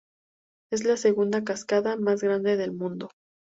Es la segunda cascada más grande del mundo.